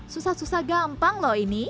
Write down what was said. susah susah gampang loh ini